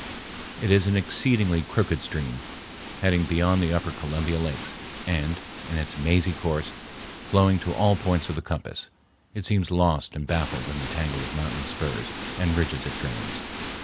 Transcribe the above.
It is an exceedingly crooked stream, heading beyond the upper Columbia lakes, and, in its mazy course, flowing to all points of the compass, it seems lost and baffled in the tangle of mountain spurs and ridges it drains.